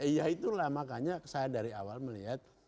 ya itulah makanya saya dari awal melihat